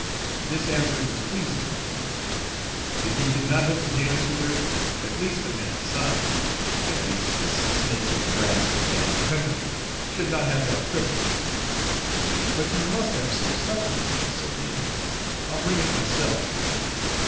This answer was pleasing to Frank. If he could not hope to dance with her, at least the men inside at least this snake in the grass from down the country should not have that privilege. "But you must have some supper, Frank," said Rena. "I'll bring it myself."